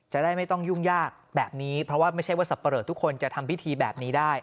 จะได้ไม่ต้องยุ่งยากแบบนี้เพราะว่าไม่ใช่ว่าสับปะเลอทุกคนจะทำพิธีแบบนี้ได้